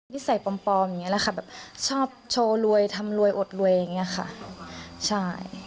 นิสัยปลอมอย่างนี้แหละค่ะแบบชอบโชว์รวยทำรวยอดรวยอย่างเงี้ยค่ะใช่